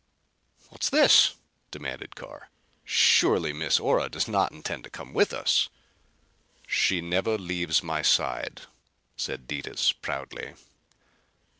"What's this?" demanded Carr. "Surely Miss Ora does not intend to come with us?" "She never leaves my side," said Detis proudly.